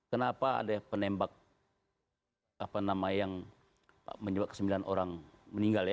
kenapa ada penembak yang menyebabkan sembilan orang meninggal ya